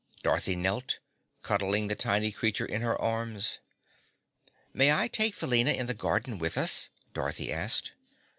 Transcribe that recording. Dorothy knelt, cuddling the tiny creature in her arms. "May I take Felina in the garden with us?" Dorothy asked.